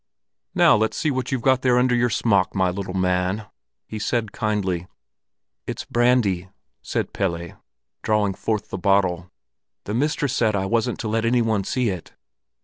"Now let's see what you've got there under your smock, my little man!" he said kindly. "It's brandy," said Pelle, drawing forth the bottle. "The mistress said I wasn't to let any one see it."